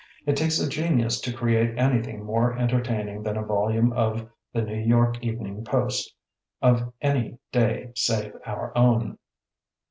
It takes a genius to create anything more entertaining than a volume of the New York "Evening Post", of any day save our own.